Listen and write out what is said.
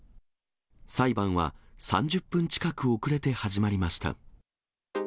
裁判は３０分近く遅れて始まりました。